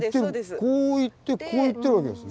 こういってこういってるわけですね。